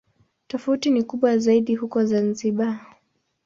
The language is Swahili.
Tofauti ni kubwa zaidi huko Zanzibar.